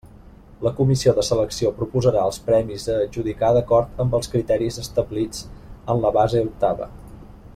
La comissió de selecció proposarà els premis a adjudicar d'acord amb els criteris establits en la base octava.